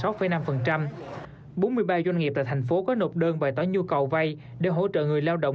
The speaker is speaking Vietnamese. các doanh nghiệp tại thành phố có nộp đơn và tỏ nhu cầu vay để hỗ trợ người lao động